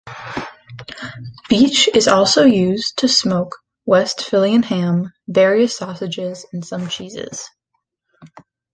Beech is also used to smoke Westphalian ham, various sausages, and some cheeses.